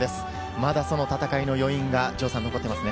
まだその戦いの余韻が残っていますね。